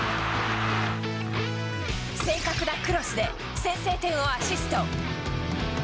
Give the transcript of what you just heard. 正確なクロスで先制点をアシスト。